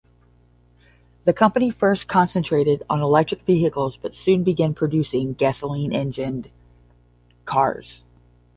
The company first concentrated on electric vehicles but soon began producing gasoline-engined cars.